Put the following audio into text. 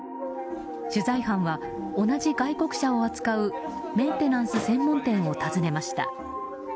取材班は同じ外国車を扱うメンテナンス専門店を訪ねました。